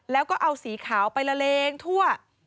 แล้วก็เอาสีขาวไปละเลงทั่ว